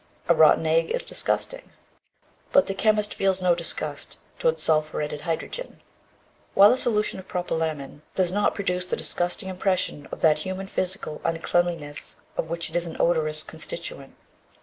A rotten egg is disgusting, but the chemist feels no disgust toward sulphuretted hydrogen; while a solution of propylamin does not produce the disgusting impression of that human physical uncleanliness of which it is an odorous constituent.